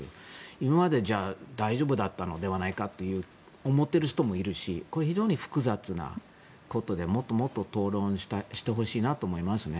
今までじゃあ大丈夫だったのではないかと思っている人もいるしこれは非常に複雑なことでもっともっと討論してほしいなと思いますね。